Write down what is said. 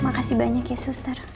makasih banyak ya suster